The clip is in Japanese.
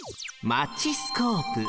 マチスコープ。